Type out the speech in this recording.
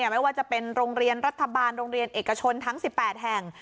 ไม่ว่าจะเป็นโรงเรียนรัฐบาลโรงเรียนเอกชนทั้ง๑๘แห่ง